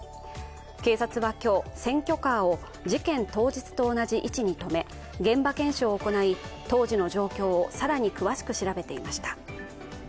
警察は今日、選挙カーを事件当日と同じ位置に止め現場検証を行い、当時の状況を更に詳しく調べていました。